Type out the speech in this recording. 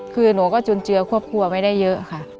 คือหนูก็จุนเจือครอบครัวไม่ได้เยอะค่ะ